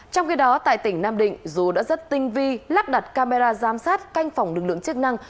trong khi đó tại tỉnh nam định dù đã rất tinh vi lắp đặt camera giám sát canh phòng lực lượng chức năng